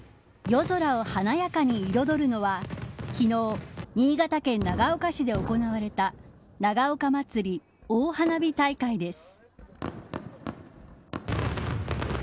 夜空を華やかに彩るのは昨日、新潟県長岡市で行われた長岡まつり大花火大会です。